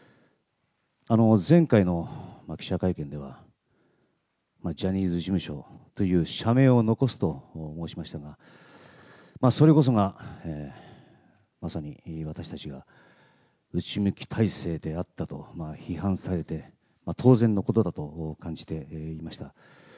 前回の記者会見では、ジャニーズ事務所という社名を残すと申しましたが、それこそがまさに私たちが内向き体制であったと批判されて当然のことだと感じておりました。